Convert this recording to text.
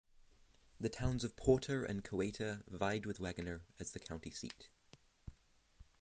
The towns of Porter and Coweta vied with Wagoner as the county seat.